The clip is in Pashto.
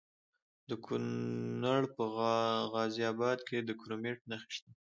د کونړ په غازي اباد کې د کرومایټ نښې شته.